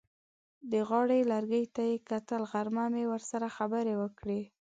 د غاړې لرګي ته یې کتل: غرمه مې ورسره خبرې وکړې.